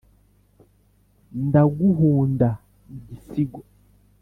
Ndaguhunda igisigo